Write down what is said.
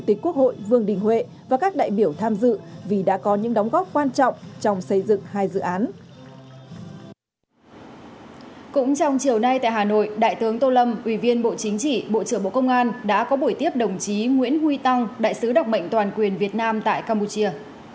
tại hà nội đại tướng tô lâm ủy viên bộ chính trị bộ trưởng bộ công an đã có buổi tiếp đồng chí nguyễn huy tăng đại sứ đặc mệnh toàn quyền việt nam tại campuchia